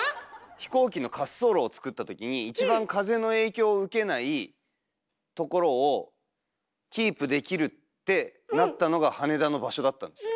飛行機の滑走路をつくったときに一番風の影響を受けないところをキープできるってなったのが羽田の場所だったんですよ。